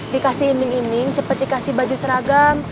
dikasih iming iming cepat dikasih baju seragam